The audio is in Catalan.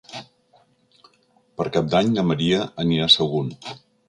Per Cap d'Any na Maria anirà a Sagunt.